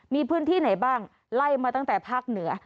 มีพื้นที่ไหนบ้างไล่มาตั้งแต่ภาคเหนือ